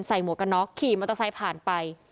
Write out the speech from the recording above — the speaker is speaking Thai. หมวกกันน็อกขี่มอเตอร์ไซค์ผ่านไป